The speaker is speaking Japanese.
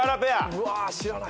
うわ知らない。